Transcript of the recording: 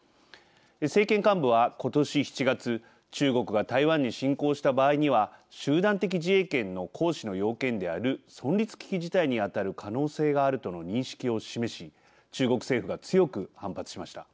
政権幹部はことし７月中国が台湾に侵攻した場合には集団的自衛権の行使の要件である「存立危機事態」にあたる可能性があるとの認識を示し中国政府が強く反発しました。